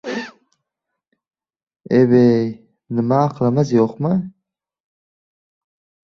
— Eb-ey, nima, aqlimiz yo‘qmi?